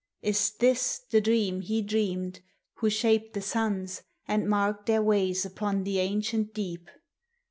Is this the Dream He dreairiecl who shaped the suns And marked their ways upon the ancient deep?